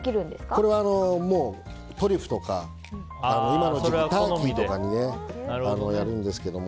これは、トリュフとか今の時期だとターキーとかにやるんですけども。